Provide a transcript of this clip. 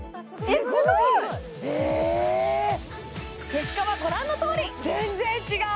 結果はご覧のとおり全然違う！